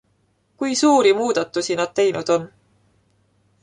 Kui suuri muudatusi nad teinud on.